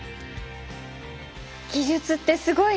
技術ってすごい！